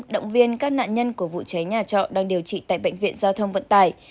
động viên các nạn nhân của vụ cháy nhà trọ đang điều trị tại bệnh viện giao thông vận tải